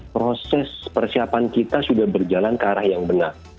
proses persiapan kita sudah berjalan ke arah yang benar